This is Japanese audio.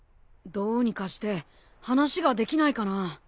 どうにかして話ができないかな？